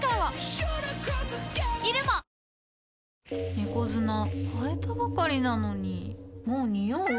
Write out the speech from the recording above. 猫砂替えたばかりなのにもうニオう？